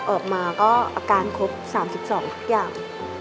ออกมาก็อาการครบ๓๒ทุกอย่าง